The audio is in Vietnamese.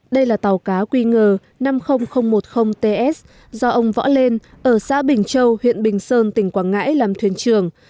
đây là tàu cá q năm mươi nghìn một mươi ts do ông võ lên ở xã bình châu huyện bình sơn tỉnh quảng ngãi làm thuyền trường